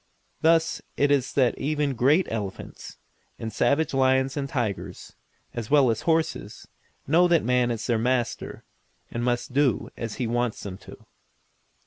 Thus it is that even great elephants, and savage lions and tigers, as well as horses, know that man is their master, and must do as he wants them to.